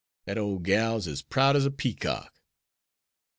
That ole gal's as proud as a peacock."